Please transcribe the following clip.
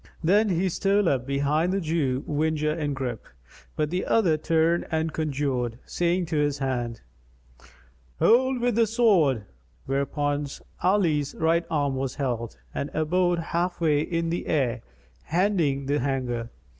Then he stole up behind the Jew whinger in grip; but the other turned and conjured, saying to his hand, "Hold with the sword;" whereupon Ali's right arm was held and abode half way in the air hending the hanger.